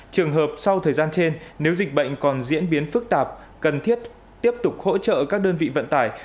trường hợp sau thời gian trên nếu dịch bệnh còn diễn biến phức tạp cần thiết tiếp tục hỗ trợ các đơn vị vận tải